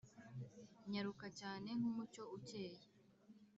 nyaruka cyane nk' umucyo ukeye